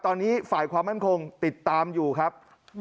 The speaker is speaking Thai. ตอนนี้ฝ่ายความมั่นคงติดตามอยู่ครับ